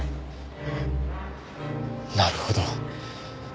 なるほど。